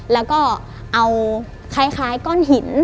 แล้วก็เอาคล้ายก้อนหิน